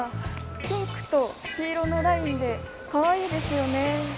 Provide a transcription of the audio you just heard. ピンクと黄色のラインでかわいいですよね。